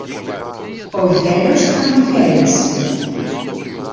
Ο γέρος χαμογέλασε